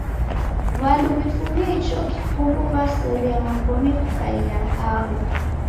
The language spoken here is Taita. W'andu w'ifumie icho kifumbu w'asoria magome kukaia aho.